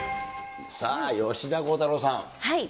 さあ、吉田鋼太郎さん。